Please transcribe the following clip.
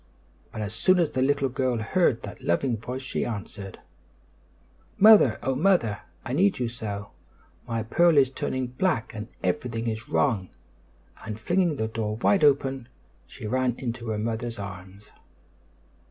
But as soon as the little girl heard that loving voice she answered: "Mother! Oh, Mother! I need you so! My pearl is turning black and everything is wrong!" and, flinging the door wide open, she ran into her mother's arms.